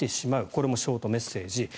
これもショートメッセージ。